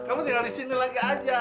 kamu tinggal di sini lagi aja